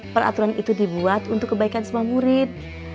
peraturan itu dibuat untuk kebaikan semua murid